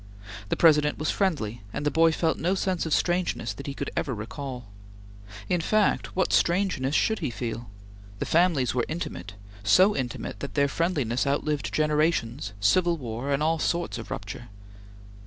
The President was friendly, and the boy felt no sense of strangeness that he could ever recall. In fact, what strangeness should he feel? The families were intimate; so intimate that their friendliness outlived generations, civil war, and all sorts of rupture.